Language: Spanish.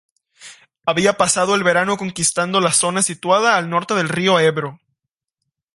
Había pasado el verano conquistando la zona situada al norte del río Ebro.